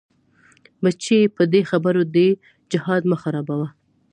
بچيه په دې خبرو دې جهاد مه خرابوه.